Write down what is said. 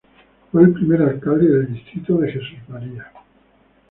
Fue el primer alcalde del Distrito de Jesús María.